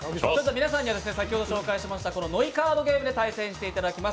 皆さんには先ほど紹介しましたノイカードゲームで対戦していただきます。